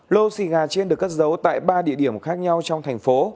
lô xì gà trên được cất giấu tại ba địa điểm khác nhau trong thành phố